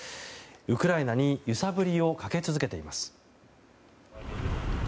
ウクライナに揺さぶりをかけ続けています。